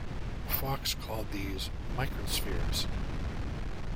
Fox called these "microspheres".